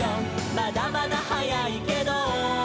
「まだまだ早いけど」